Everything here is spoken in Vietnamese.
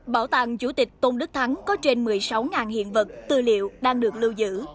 bảo tàng chủ tịch tôn đức thắng có trên một mươi sáu hiện vật tư liệu đang được lưu giữ